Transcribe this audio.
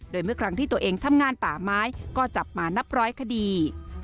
โดยเมื่อครั้งที่ตัวเองทำงานป่าไม้ก็จับมานับร้อยคดี